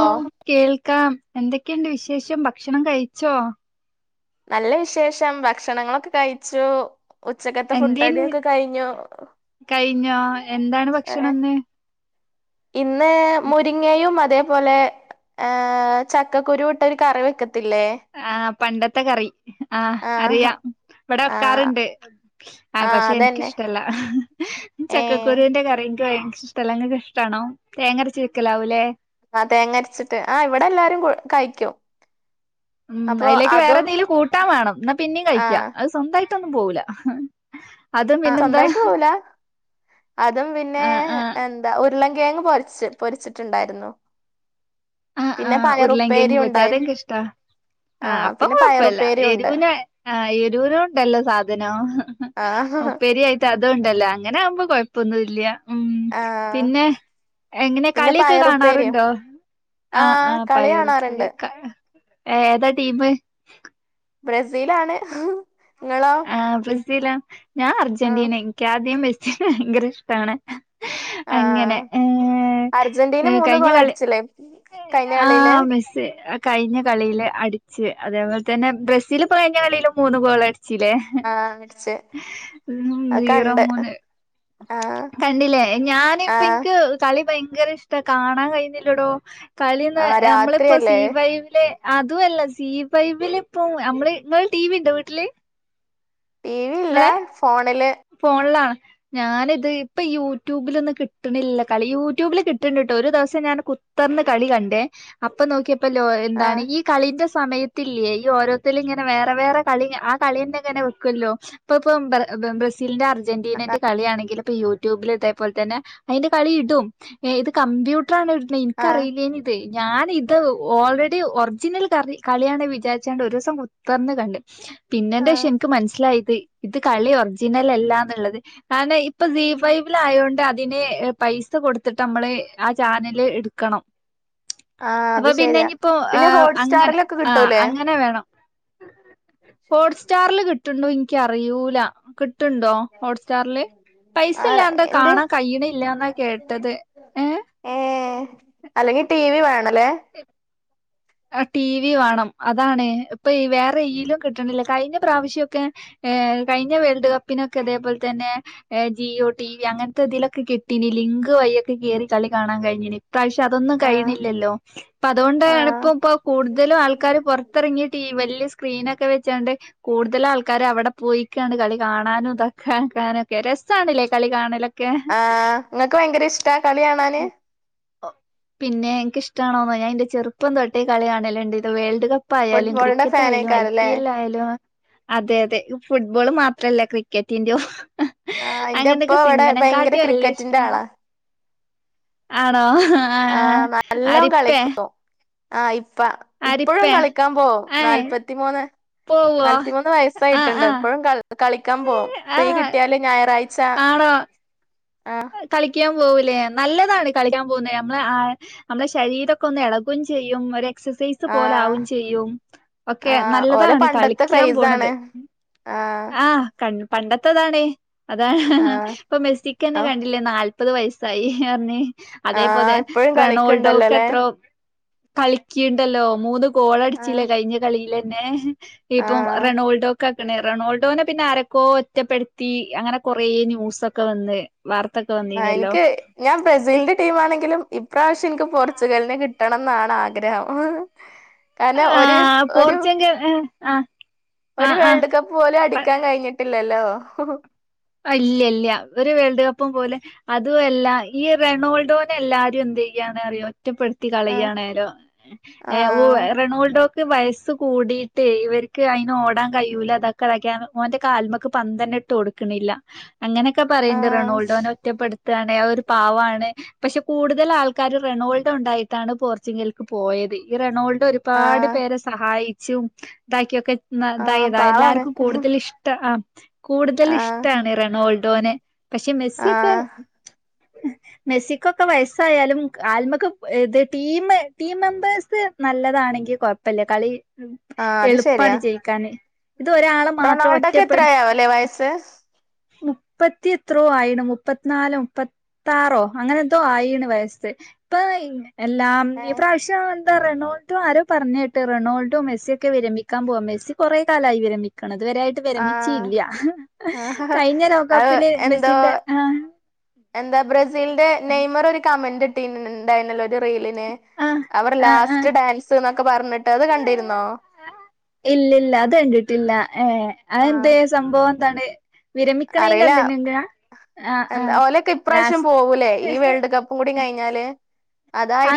Law ഓ കേൾക്കാം എന്തൊക്കെയുണ്ട് വിശേഷം ഭക്ഷണം കഴിച്ചോ നല്ല വിശേഷം ഭക്ഷണങ്ങളൊക്കെ കഴിച്ചു ഉച്ചക്കത്തെ എന്തേന് ഫുട്ടടിയൊക്കെ കഴിഞ്ഞേ കഴിഞ്ഞോ എന്താണ് ഏ ഭക്ഷണംന്ന് ഇന്ന് മുരിങ്ങയും അതേപോലെ ചക്കക്കുരുവും ഇട്ടൊരു കറിവെക്കത്തി ത്തിലെ ആ പണ്ടത്തെ കറി ആ അറിയാം ഇവിടെ ആഹ് വെക്കാറണ്ട് ആ ആഹ് പക്ഷെ അതന്നെ എനിക്കിഷ്ടമല്ല ഏ ചക്കക്കുരുവിന്റെ കറിക്ക് വ- ഇഷ്ടല്ലെ നിങ്ങക്ക് ഇഷ്ടമാണോ തേങ്ങരച്ച് വെക്കലാവൂലേ ആ തേങ്ങരച്ചിട്ട് ആ ഇവിടെ എല്ലാരും കഴിക്കും ഉം അപ്പൊ അതിലേക്ക് വേറെ അതും എന്തെങ്കിലും കൂട്ടാൻ വേണം എന്നാ പിന്നും കഴിക്കാ ആഹ് അത് സ്വന്തമായി ട്ടിന്നും പോകില്ല ആ സ്വന്തായിട്ട് പോവൂല അതും പിന്നെ ആ ആ എന്താ ഒ- ഉരുള്ളങ്കേങ്ങ് പെരിച്ച പൊരിച്ചിട്ടുണ്ടായിരുന്നു ആഹ് പിന്നെ ആഹ് ഉരുളൻ കിഴങ്ങ് പയറുപ്പേരി പൊരിച്ച ഉണ്ടായിരുന്നു അതെനിക്ക് ഇഷ്ടമാ ആ അപ്പം പിന്നെ കൊഴപ്പല്ല പയറുപ്പേരി ഉണ്ട് എരുവിന ആ എന്തുരഉണ്ടല്ലോ സാധനം ആ ഉപ്പരി ആയിട്ട അതുകൊണ്ടല്ലോ അങ്ങനെ ആവുമ്പോ കുഴപ്പമൊന്നും ഇല്ല ഉം ആ പിന്നെ എങ്ങനെ പിന്നെ കളിയൊക്കെ പയറുപ്പേരിയും കാണാറുണ്ടോ ആ ആഹ് ആ കളി പയറുപേരി കാണാറുണ്ട് ഏതാ ടീമ് ബ്രസീലാണ് നിങ്ങളോ ആഹ് ബ്രസീലാ ഞാൻ ആഹ് അർജന്റീന എനിക്ക് ആദ്യം മെസ്സി ഭയങ്കര ഇഷ്ടമാണ് അങ്ങനെ ആഹ് അർജന്റീന മൂന്ന് കഴിഞ്ഞ ഗോൾ കളി അടിച്ചില്ലേ കഴിഞ്ഞ ആ കളിയില് സി കഴിഞ്ഞ കളിയില് അടിച്ച് അതേപോലെ തന്നെ ബ്രസീൽ പ്പ കഴിഞ്ഞ കളീലും മൂന്ന് ഗോൾ അടി ച്ചീലേ ആഹ് അടിച്ച് ഉം അത് സീറോ കണ്ട് മൂന്ന് ആഹ് കണ്ടില്ലേ ഞാനിപ്പ ആഹ് ന്ക്ക് കളി ഭയങ്ക് ര ഇഷ്ട കാണാൻ കഴിയ്ണില്ലെടോ കളിന്ന് ആഹ് നമ്മളിപ്പോ സി രാത്രിയല്ലേ ഫൈവിലെ അതും അല്ല സി ഫൈബില് ഇപ്പ നമ്മള് ഇങ്ങള് ടി വി ഇണ്ടോ വീട്ടില് ടി വി ഇല്ല ഇങ്ങളെ ഫോണില് ഫോണിലാണ് ഞാനിത് ഇപ്പൊ യൂട്യൂബിലൊന്നും കിട്ട്ണില്ല കളി യൂട്യൂബില് കിട്ട്ണ്ടിട്ടോ ഒരു ദിവസം ഞാൻ കുത്ത് ത്തർ ന്ന് കളി കണ്ടേ അപ്പൊ നോക്കിയപ്പോ ലോ എന്താണ് ആഹ് ഈ കളിന്റെ സ് സമയത്തില്ലേ ഈ ഓരോരുത്തര് ഇങ്ങനെ വേറെ വേറെ കളി ആ കളിയന്നെ ഇങ്ങനെ വെക്കല്ലോ ഇപ്പ ഇപ്പം ബ്ര ബ്രസീലിന്റെ ആഹ് അർജന്റീനന്റെ കളിയാണെങ്കിലും ഇപ്പ യൂട്യൂബിൽ ഇതേപോലെ തന്നെ അതിന്റെ കളി ഇടും ഏ ഇത് കമ്പ്യൂ ട്ടറാണ് ഇട്ന്നത് എനിക്കറിയില്ലേനി ഇത് ഞാൻ ഇത് ഓൾറെഡി ഒറിജിനൽ കറി കളിയാണ് വിചാരിച്ചാണ്ട് ഒരു ദിവസം കുത്തർന്ന് കണ്ട് പിന്നെ എന്റെ പക്ഷം ആഹ് എനിക്ക് മനസ്സിലായത് ഇത് കളി ഒറിജിനൽ അല്ലാന്നുള്ളത് ആനെ ഇപ്പൊ സി ഫൈവില് ആയോണ്ട് അതിന് പൈസ കൊടുത്തിട്ട് നമ്മള് ആ ചാനല് എടുക്കണം ആഹ് അത് അപ്പൊ പിന്നെ ശരിയാ ഇഞ്ഞിയിപ്പോ പിന്നെ ആഹ് അങ്ങനെ ഹോട്ട്സ്റ്റാറിലൊക്കെ ആ കിട്ടൂലേ അങ്ങനെ വേണം ഹോട്ട്സ്റ്റാറിൽ കിട്ട്ണ്ടോ എനിക്കറിയൂല കിട് ട്ടുണ്ടോ ഹോട്ട് സ്റ്റാറില് പൈസ ആഹ് ഇല്ലാണ്ട് എന്റെ കാണാൻ കഴിയ്ണില്ല എന്നാ കേട്ടത് ഏ ഏ അല്ലെങ്കി ടി വി വേണലേ ആ ടി വി വേണം അതാണ് ഇപ്പൊ വേറെയിലും കിട്ടണില്ല കഴിഞ്ഞ പ്രാവശ്യൊക്കെ ഏ കഴിഞ്ഞ വേൾഡ് കപ്പിനൊക്കെ ഇതേപോലെ തന്നെ ഏ ജിയോ ടിവി അങ്ങനത്തെ ഇതിലൊക്കെ കിട്ടീനില്ലേ ലി പിങ്ക് വയ്യൊക്കെ കേറി കളി കാണാൻ കഴിഞ്ഞീനു ഇപ്രാവശ്യം അതൊന്നും ആഹ് കഴിയണില്ലല്ലോ പ്പൊ അതുകൊണ്ടാണ് എട ഇപ്പ ഇപ്പോ കൂടുതലും ആഹ് ആൾക്കാര് പൊറത്തിറങ്ങി ടി വലിയ സ്ക്രീ സ്ക്രീനൊക്കെ വെച്ചാണ്ട് കൂടുതല് ആൾക്കാര് അവിടെ പോയിക്കാണ്ട് കളി കാണാനും ഇതാക്കാനും ഒക്കെ [unintelligible] രസാ രസാണ്ല്ലേ കളി കാണലൊക്ക് ആ ഇങ്ങക്ക് ഭയങ്കര ഇഷ്ടാ കളി കാണാന് പിന്നെ എനക്ക് ഇഷ്ടണോ ഞാന് ന്റെ ചെറുപ്പം തൊട്ടേ കളി കാണലുണ്ട് ഇത് വേൾഡ് കപ്പ് പ്പ് ആയാലും ഫുട്ബോളിന്റെ ക്രിക്കറ്റ് ആയാലും ഐ പി ഫാനേക്കാരല്ലേ എൽ ആയാലും അതെ അതെ ഫുട്ബോള് മാത് ത്രല്ല ക്രിക്കെറ്റിന്റെയും ആഹ് ഇന്റെ ഇപ്പ അങ്ങനൊക്കെ ഇവിടെ സിൻമനേം കാട്ടി ഭയങ്കര വല്ല്യ ക്രിക്കറ്റിന്റെ ഇഷ്ടാ ആളാ ആ ആആ ആ അരിപ്പേ ആ ഇപ്പ ഇപ്പഴും കളിക്കാൻ പോവും ഏ നാല്പത്തിമൂന്ന് പോവോ നാല്ത്തിമൂന്ന് ആ ആ വയസ്സായിട്ടുണ്ട് ഇപ്പോഴും കളി കളിക്കാൻ പോവും ആ ഫ്രീ കിട്ടിയാല് ഞായറാഴ്ച്ച കളിക്കും പോവുംലേ നല്ലതാണ് കളിക്കാൻ പോകുന്നെ നമ്മളെ നമ്മുടെ ശരീരൊക്കെ ഒന്ന് എളകും ചെയ്യും ഒര് എക് എക്സസൈസ് പോലെ ആഹ് ആവും ചെയ്യും ഒക്കെ ആഹ് ഓലെ നല്ലതാണ് പണ്ടത്തെ കളിക്കാൻ ക്രൈസാണ് പോണത് ആഹ് കൺ പണ്ടത്ത താണെ അതാണ് ആഹ് ഇപ്പൊ മെസ്സിക്ക്ന്നെ കണ്ടില്ലേ ന നാല്പത് വയസ്സായി പറഞ്ഞ് അതേപോലെ ആഹ് ഇപ്പഴും റൊണോൾഡോക്ക് കളിക്ക്ണ്ടല്ലോല്ലേ എത്രോ കളിക്കിണ്ട്ല്ലോ മൂന്ന് ഗോളടിച്ചില്ലേ ആഹ് കഴിഞ്ഞ കളീലെന്നെ ഇപ്പം ആഹ് റൊണോൾഡോക്കെ പിന്നെ റൊണാൾഡോനെ പിന്നെ ആരക്കോ ഒറ്റപ്പെടുത്തി അങ്ങനെ കൊറേ ന്യൂസൊക്കെ വന്ന് വാർത്തൊക്കെ ആ വന്നീനല്ലോ എനിക്ക് ഞാൻ ബ്രസീലിന്റെ ടീം ആണെങ്കിലും ഇപ്രാവശ്യം എനിക്ക് പോർച്ചുഗലിന് കിട്ടണം എന്നാണ് ആഗ്രഹം കാരണം ഒരു ആഹ് ഒരു പോർച്ചുഗൽ ഏഹ് ആഹ് ഒരു ആഹ് ആഹ് വേൾഡ് കപ്പ് പോലും അടിക്കാൻ കഴിഞ്ഞിട്ടില്ലല്ലോ ആ ഇല്ല ഇല്ല ഒരു വേൾഡ് കപ്പും പോലെ അതും അല്ല ഈ റൊണോൾഡോനെ എല്ലാരും എന്ത് ചെയ്യാനറിയോ ഒറ്റപ്പെടുത്തി ആ കളയാണേലൊ ആ ഏ ഒ റൊണാൾഡോക്ക് വയസ് കൂടിയിട്ട് ഇവര്ക്ക് അയിന് ഓടാൻ കഴിയൂല അതൊക്കെ ഇടക്കാ ഓന്റെ കാൽമക്ക് പന്തന്നെ ഇട്ട് കൊടുക്ക് ക്ക്ണില്ല അങ്ങനെയൊക്കെ ആ പറയ്ണ്ട് റൊണാൾഡോനെ ഒറ്റപ്പെടു റ്റാണ് ആ ഒരു പാവാണ് പക്ഷെ കൂടുതലാൾക്കാരും റൊണാൾഡോ ഇണ്ടായിട്ടാണ് പോർച്ചുഗൽക്ക് പോയെ ത് ഈ റൊണോൾഡോ ആ ഒരുപാട് പേരെ സഹായിച്ചും ഇതാക്കായൊക്കെ ന്ന ആ അതായത പാവാണ്. എല്ലാർക്കും കൂടുതൽ ഇഷ്ട ആഹ് കൂടുതൽ ആ ഇഷ് റൊണോൾഡോന് പക്ഷെ ആ മെസ്സിയൊക്കെ മെസ്സിക്കൊക്കെ വയസ്സായാലും കാൽമക്ക് ഏ ത് ടീമ് ടീം മെമ്പേഴ്സ് നല്ലതാ ആണെങ്കി കൊഴപ്പയില്ല കളി ആ അത് ശരിയാ എളുപ്പാണ് ജയിക്കാന് ഇത് ഒരാളെ മാത്രം റൊണാൾഡോക്ക് ഒറ്റപ്പെടുത്തി എത്രയാവല്ലേ വയസ്സ്? മുപ്പത്തി എത്രയോ ആയിണ് മുപ്പത്തിനാലോ മുപ്പത്താറോ അങ്ങനെ എന്തോ ആയിണ് വയസ്സ് ഇപ്പ എല്ലാം ഏ ഈ പ്രാവശ്യോ എന്താ റെണോൾഡോ ആരോ പറഞ്ഞ കേട്ട് റൊണോൾഡോ മെസ്സി ഒക്കെ വിരമിക്കാൻ പോവാ മെസ്സി കുറെ കാലായി വിരമിക്കണത് ഇതുവരെയായിട്ട് ആ വിരമീച്ചീല്ല ആ കഴിഞ്ഞ അത് ലോകകപ്പില് എന്തോ മെസ്സിൻ്റെ എന്താ ബ്രസീലിന്റെ നെയ്മർ ഒരു കമന്റ് ഇട്ടിന്ന്ന്ന്ണ്ടായിര്ന്നല്ലോ റീലിന് ആഹ് അവർ ആഹ് ആഹ് ലാസ്റ്റ് ഡാൻസ് എന്നൊക്കെ പറഞ്ഞിട്ട് അത് കണ്ടിരുന്നോ ഇല്ലല്ല അത് കണ്ടിട്ടില്ല ഏഹ് ആഹ് അതെന്തേ സംഭവം എന്താണ് വിരമിക്കണയിന്റെ അറിയില്ല അന്നെന്നെന്നയാ എന്താ ഓലൊക്കെ ഇപ്രാവശ്യം പോവൂലേ ഈ വേൾഡ് കപ്പും കൂടി കഴിഞ്ഞാല്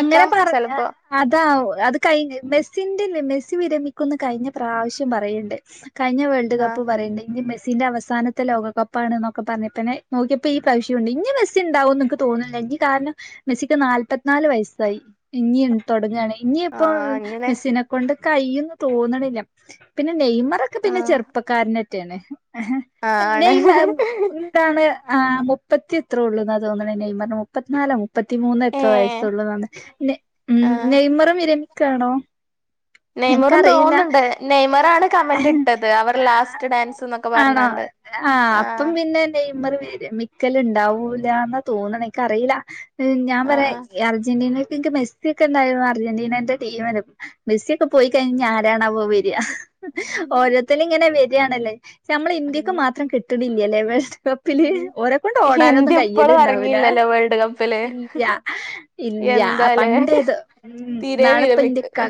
അങ്ങനെ പറഞ്ഞ ചെലപ്പോ അതാവും അത് കഴിഞ്ഞ് മെസ്സിന്റെല്ലേ മെസ് സ്സി വിരമിക്കുന്ന് കഴിഞ്ഞ പ്രാവശ്യം പറയ്ണ്ട് കഴിഞ്ഞ വേൾഡ് ആഹ് കപ്പ് പറയ്ണ്ട് ഇഞ്ഞ് മെസ് സ്സിന്റെ അവസാനത്തെ ലോകകപ്പാണ്ന്നൊക്കെ പറഞ്ഞ്പ്പനെ നോക്ക്യപ്പോ ഈ പ്രവശ്യുണ്ട് ഇഞ്ഞ് മെസ്സിണ്ടാവും ൻക്ക് തോന്ന്ൺല്ല ഈ കാരണം മെസ്സിക്ക് നാല് പ്പ നാല് വയസ്സായി ഇഞ്ഞി തൊടങ്ങാണ് ഇഞ്ഞിപ്പോ ആഹ് അങ്ങനെ മെസ്സിനെ കൊണ്ട് കയ്യുന്ന് തോന്ന്ണ്ല്ല പിന്നെ നെയ്മറൊക്കെ പിന്നെ ആഹ് ചെർപ്പക്കാരനെറ്റെണ് ആണ് നെയ്മ ന്താണ് ആ മുപ്പത്തി എത്രോള്ളൂന്നാ തോന്ന്ണെ നെയ്മർന് മുപ്പത്ത്നാലാേ മുപ്പത്തിമൂന്നോ എത്രോ വയസ് ഏഹ് സൊള്ളുന്നാതോണ് നെ ഉം ആഹ് നെയ്മറും വിരമിക്കാണോ നെയ്മറും എനക്കറിയില്ല തോന്ന്ണ്ട് നെയ്മറാണ് കമന്റ് ഇട്ടത് അവർ ലാസ്റ്റ് ഡാൻസ്ന്നൊക്കെ പറഞ്ഞാണ്ട് ആ അപ്പം ആഹ് പിന്നെ നെയ് മറ് വിരമിക്കല്ണ്ടാവൂലാന്ന് തോന്ന്ണ് ൻക്കറീല ഞാൻ പറയാ ആഹ് അർജന്റീനക്ക് ൻക്ക് മെസ്സ്യാെക്കെണ്ടായ അർജന്റീനന്റെ ടീമാണ് മെസ്സി ഇപ്പ പോയി കഴിഞ്ഞ് ആരാണാവോ വര ഓരോര്ത്തര്ങ്ങനെ വരാണല്ലേ ഞമ്മളെ ഇന്ത്യയ്ക്ക് അങ്ങനെ മാത്രം കിട്ടണില്യലേ വേൾഡ് കപ്പില് ഉം ഓരെ കൊണ്ട് ഹിന്ദി ഓടാനൊന്നും ഇപ്പളും കയ്യല്ണ്ടാവൂല എറങ്ങിയില്ലല്ലോ വേൾഡ് കപ്പില് ഇന്ത്യാ ഇൻ ഇല്ല ആ എന്താലേ പണ്ടേതോ ഉം തീരെ വിരമിക്ക ന്നാള്പ്പാെന്റെക്കാ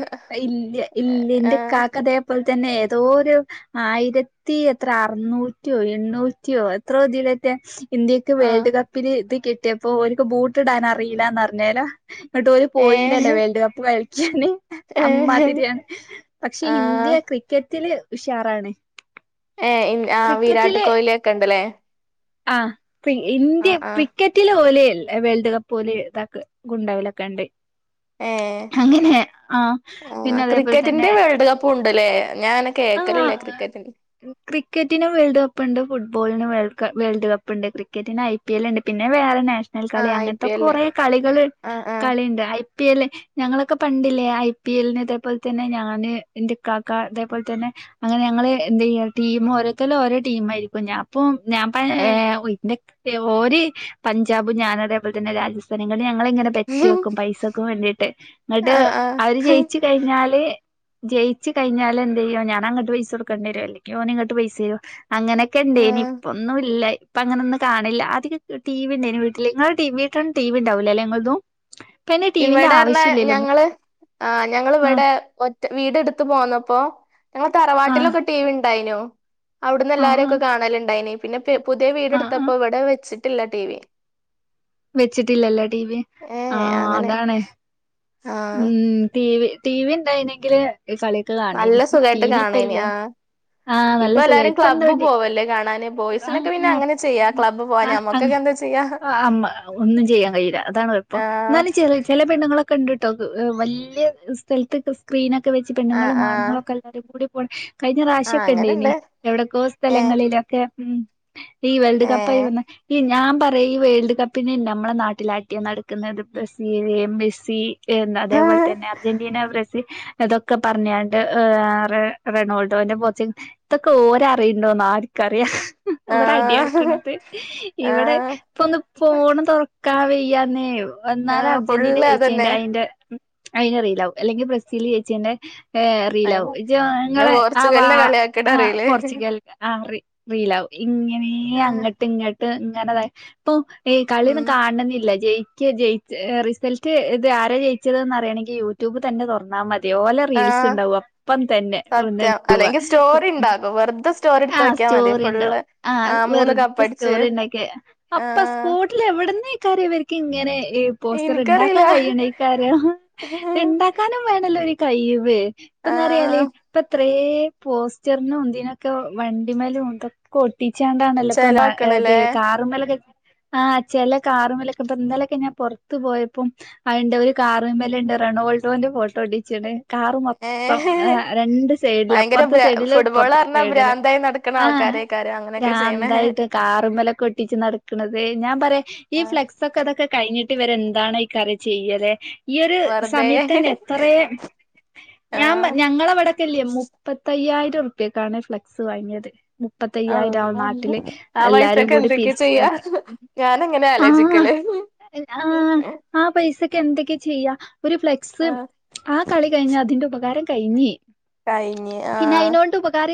ഇല്യാ ഇല്യാ ആഹ് ന്റെക്കാക്ക ദേ പോൽ തന്നെ ഏതോരു ആയിരത്തി എത്ര അർന്നൂറ്റിയോ എണ്ണൂറ്റിയോ എത്രോതിലറ്റെ ഇന്ത്യക്ക് ആഹ് വേൾഡ് കപ്പില് ത് കിട്ട്യപ്പോ ഓര്ക്ക് ബൂട്ട് ഇടാനറീല്ലാന്ന്ർഞ്ഞേലാേ ന്നട്ട് ഓല് പോയീലലോ ഏഹ് വേൾഡ് കപ്പ് കളിക്കാന് ഏഹ് അമ്മാതിരിയാണ് പക്ഷെ ആഹ് ഇന്ത്യ ക്രിക്കറ്റില് ഉഷാറാണ് ഏ ഇ ആ വീരാട്ട് കോഹ്ലി ഒക്കെണ്ട്ലേ ആ പ്പ ഇന്ത്യ ആഹ് ക്രിക്കറ്റിലെ പോലെ വേൾഡ് കപ്പ് ഓല് തക്ക് കുണ്ടവലൊക്കെണ്ട് ഏഹ് അങ്ങനെ ആ ആഹ് പിന്നെ അതേപോൽ തന്നെ ക്രിക്കറ്റിന്റെ വേൾഡ് കപ്പും ഉണ്ട്ല്ലേ ഞാനങ്ങനെ ആ കേക്കലില്ല ക്രിക്കറ്റിന്റെ ക്രിക്കറ്റിനും വേൾഡ് കപ്പ്ണ്ട് ഫുട് ഫുട്ബോൾനും വേൾക വേൾഡ് കപ്പ്ണ്ട് ക്രിക്കന്റിന് ഐപിഎല്ല്ണ്ട് പിന്നെ വേറെ നെ ണൽ കളി ആഹ് ഐ പി എല്ല് അങ്ങൻത്തെക്കാെറേ കളികള് ആഹ് ആഹ് കളിണ്ട് അയ് പിഎല്ല് ഞങ്ങളൊക്കെ പണ്ടില്ലേ ഐപിഎൽന് തേപോലെ തന്നെ ഞാന് എന്റെ ഇകാക്ക തെ പോൽതന്നെ അങ്ങനെ ഞങ്ങള് എന്തെയ്യും ടീമ് ഓരോര്ത്തര് ഓരോ ടീമായിരിക്കും ഞാപ്പം ഞാൻപ്പ ഏ ആഹ് [unintelligible] ഓര് പഞ്ചാബ് ഞാന് അതെപോൽതന്നെ രാജസ്ഥാൻ ഇങ്ങ ഞങ്ങളിങ്ങനെ ബെറ്റ് വെക്കും പൈസക്കും വേണ്ടീട്ട് ങ്ങട്ട് ആഹ് അവര് ആഹ് ജയ്ച്ച് കയ്ഞ്ഞാല് ജയിച്ച് കഴിഞ്ഞാലെന്തെയ്യും ഞാനങ്ങട്ട് പൈസൊട്ക്കെണ്ട്യെരും അല്ലെങ്കി ഓന്ങ്ങട്ട് പൈസരും അങ്ങനെക്കെണ്ട്യേനി ആഹ് ഇപ്പൊന്നും ഇല്ല പ്പൊ അങ്ങനൊന്നും കാണെൽല്ല ആദ്യക്കെ ടിവിണ്ടായിന് വീട്ടില് ങ്ങളെ ടീവിക ടീവിണ്ടാവുല്ലലേ ഞങ്ങൾതും ഇവെടെർഞ്ഞ ഞങ്ങള് ആ ഞങ്ങള് ആഹ് വെടെ ഒ റ്റ വീട് ഇട്ത്ത് പോന്നപ്പോ ഞങ്ങളെ ആഹ് തറവാട്ടിലൊക്കെ ടീവിണ്ടായ്നു അവ്ട്ന്ന് ആഹ് എല്ലാരും ഒക്കെ ആഹ് കാണല്ണ്ടായ്നി പിന്നെ പെ പുത്യേ വീട് ആഹ് ആഹ് ട്ത്തപ്പോ ഇവ്ടെ വെച്ച്ട്ട്ല്ല ടീവി വെച്ചിട്ട്ല്ലല്ലേ ടീവി ഏ ആ അങ്ങനെ അതാണ് ആഹ് ഉം ടീവി ടീവിണ്ടായ്നെങ്കില് കളിയൊക്കെ നല്ല കാണേനി സുഖായിട്ട് കാണേനി ടീവിപ്പല്ല ആഹ് ആ നല്ല ഇപ്പൊ സുഖേ എല്ലാരും ക്ലബ്ബ് ഇപ്പന്താടി പോവല്ലേ കാണാന് ബോയ്സിനൊക്കെ പിന്നെ അങ്ങനെ ചെയ്യാ ക്ലബ്ബ് പോവാ ആ അ അ ഞമ്മക്കൊക്കെ എന്താ ചെയ്യാ അ അമ്മ ഒന്നും ചെയ്യാൻ കയ്യ്ല അതാണ് കൊയ്പ്പം ആഹ് ന്നാലും ചെറ്യേ ചെലേ പെണ്ണ്ങ്ങളൊ ക്കണ്ട്ട്ടോ വല്യ സ്ഥൽത്ത് സ്ക്രീനൊക്കെ വെച്ച് ആഹ് പെണ്ണ്ങ്ങളും ആഹ് ആണ്ങ്ങളൊക്കെ എല്ലാരും കൂടി കഴിഞ്ഞ ആഹ് റാശ്യൊക്കെണ്ടേയ്നി അങ്ങനെണ്ട് എവിടക്കാേ ഏ സ്ഥലങ്ങളിലൊക്കെ ഉം ഈ വേൾഡ് ഏ കപ്പായി വന്ന ഈ ഞാം പറയാ ഈ വേൾഡ് കപ്പിന് നമ്മളെ നാട്ടിലടിയ നടക്ക്ന്നത് ബ്രസീല് മെസ്സി പിന്നെ അതേപോൽ ആഹ് തന്നെ അർജന്റീന ബ്ര തൊക്കെ പറഞ്ഞാണ്ട് ഏ റെ റെണ്ടോൾഡോന്റെ പോച്ച ഇതൊക്കെ ഓരറിയ്ണ്ടോന്ന് ആ ക്കറിയാ ഇവിടെ അടി നടക്കണത് ഇവിടെ ആഹ് ഇപ്പൊ ഒന്ന് ഫോണ് തൊറക്ക് ക്കാൻ വയ്യാന്നേ എന്നാല് ആഹ് അർജന്റീന ഫുള്ള് ജയിച്ചേൻ്റെ അതന്നെ അയിന്റെ അയിൻ്റെ റീലാവും അല്ലെങ്കിൽ ബ്രസീല് ജയിച്ചേൻ്റെ ഏഹ് അയിന് റീലാവും ഇജ്ജ് പിന്നെ ങ്ങളെ ആ വ പോർച്ചുഗലിനെ കളിയാക്കണ ആ റീല് പോർച്ചുഗൽ ആ റീ റീലാവും ഇങ്ങനെ അങ്ങട്ട് ഇങ്ങട്ട് ഇങ്ങനെതായി ഇപ്പൊ ഏയ് ഉം കളിയൊന്നും കാണണെന്നില്ല ജെയ് ച്ച് ജയി റിസൾട്ട് ഇത് ആരാ ജയിച്ചതെന്ന് അറിയണെങ്കിൽ യൂട്യൂബ് തന്നെ തൊറന്നാ മത് തി ഓലെ റീൽസ് ആഹ് ഇണ്ടാവും അപ്പം തന്നെ സത്യം അല്ലെങ്കി സ്റ്റോറി [unintelligible] ഇണ്ടാക്കും വെറുതെ സ്റ്റോറി എടുത്ത് ആഹ് നോക്കിയാ മതി സ്റ്റോറി ഫുള്ള് ഇണ്ടാവും ആഹ് മൂന്ന് വെറുത കപ്പടിച്ച് സ്റ്റോറി ഇണ്ടാക്കി അപ്പൊ ആഹ് സ്പോട്ടിൽ എവിട് ന്നേയിക്കാരും ഇവരിക്ക് ഇങ്ങനെ ഈ പോസ്റ്ററ് ഇനിക്കറിയില്ല ഇണ്ടാക്കാൻ കഴിയണേക്കാരം ഇത് ഇണ്ടാക്കാനും വേണല്ലോ ഒര് കയിവ്. ഇപ്പന്ന് [unintelligible] ആഹ് ഇപ്പ ഇത്രേം പോസ്റ്ററിനും ഇതിനൊക് ക്കെ വണ്ടിമ്മേലും ഇതൊക്കെ ഒട്ടിച്ചാണ്ടാണല്ലോ ഇപ്പ ന ഇത് ചെലവാക്കണല്ലേ കാറുമ്മലൊക്കെ ആഹ് ചെല കാറുമ്മലൊക്കെ ഇപ്പ ഇന്നലൊക്കെ ഞാൻ പൊറത്ത് പോയപ്പം അത് ഇണ്ട് ഒരു കാറുമ്മല്ണ്ട് റൊണാൾഡോന്റെ ഫോട്ടോ ഒട്ടിച്ചിണ്. കാറ് മൊത്തം ഏഹ് ആഹ് രണ്ട് സൈഡിലും ഭയങ്കര അപ്പർത്തെ ഭ്രാ സൈഡിലും ഫുട്ബോള് ഇപ്പർത്തെ സ പറഞ്ഞാ സൈഡിലും ഭ്രാന്തായി നടക്കണ ആഹ് ആൾക്കാരേക്കാരം അങ്ങനെയൊക്കെ ചെയ്യണേ പ്രാന്തായിട്ട് കാറുമ്മലൊക്കെ ഒട്ടിച്ച് നടക്കണത്. ഏയ് ഞാൻ പറയാ ഈ ആഹ് ഫ്ലെക്സ് ഒക്കെ ഇതൊക്കെ കഴിഞ്ഞിട്ട് ഇവര് എന്താണ് ഈ [unintelligible] ചെയ്യല് ഈ ഒരു വെറുതെ സമയത്തന്നെ എത്രെയെ ഞാൻ ആഹ് ഞങ്ങളവിടക്ക്ല്ലേ മുപ്പത്തയ്യായിരം റുപ്യക്കാണ് ഫ്ലക്സ് വാങ്ങിയത് മുപ്പത്തയ്യായിരാവും അള്ളാ നാട്ടില് ആ എല്ലാരും പൈസക്ക് കൂടി എന്തൊക്കെ ചെയ്യാ പിരിച്ചത് ഞാനങ്ങനെ ആഹ് ആലോചിക്കല് ആഹ് ആ പൈസക്ക് എന്തക്കെ ചെയ്യ ഒരു ഫ്ലെക്സ് ആഹ് ആ കളി കഴിഞ്ഞ അതിന്റെ ഉപകാരം കഴിഞ്ഞ് കഴിഞ്ഞ് ആഹ്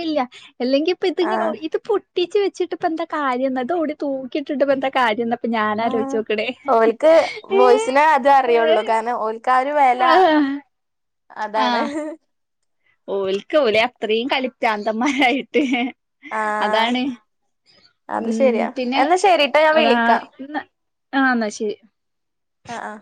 അല്ല അല്ലെങ്കിൽ ഇപ്പ ഇങ്ങനെ ആഹ് ഇത് ട്ടീച്ച് വെച്ചിട്ടിപ്പ എന്താ കാര്യം എന്നാ ത് ഓടി തൂക്കിയിട്ടിട്ടിപ്പ എന്താ കാര്യന്നാ ആ ഓൽക്ക് ഏഹ് ബോയ്സിനെ അത് അറിയുള്ളൂ ഏഹ് കാരണം ഓക്ക് ന് വെല ആഹ് അതാണ് ഓല്ക്ക് ഓലെ അത്രയും കളിപ്രാന്തമാരായിട്ട് ആഹ് അതാണ് അത് ഉം ശരിയാ പിന്നെ എന്നാ ശരിട്ടോ ഞാൻ അതാ വിളിക്കാം ആഹ് എന്നാ ശരി ആഹ് ആ